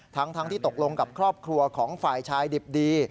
ทั้งที่ตกลงกับครอบครัวของฝ่ายชายดิบดี